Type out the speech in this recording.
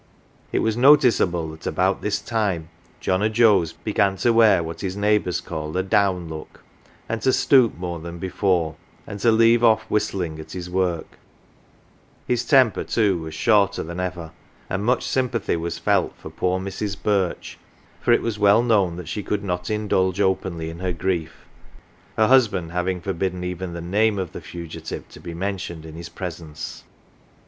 It was noticeable that about this time John 0"* Joe's began to wear what his neighbours called " a down look,"" and to stoop more than before, and to leave off' whistling at his work : his temper too was " shorter " than ever, and much sympathy was felt for poor Mrs. Birch, for it was well known that she could not indulge openly in her grief, her husband having forbidden even the name of the fugitive to be mentioned in his presence.